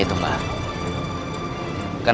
dia harus berhati hati